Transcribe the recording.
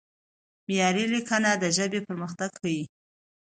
معیاري لیکنه د ژبې پرمختګ ښيي.